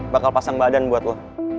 bakal pasang badan buat lo